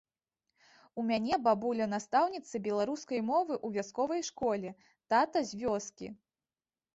У мяне бабуля настаўніца беларускай мовы ў вясковай школе, тата з вёскі.